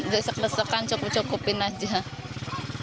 desek desekan cukup cukupin aja desek desekan